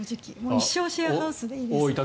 一生、シェアハウスでいいです。